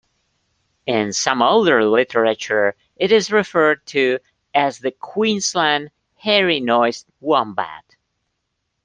In some older literature, it is referred to as the Queensland hairy-nosed wombat.